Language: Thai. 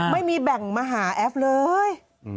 ไม่มีแบ่งมาหาแอฟเลย